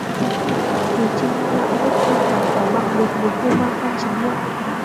Thì Trinh đã hạ quyết tâm phải có bằng được một Kumanthong chính hiệu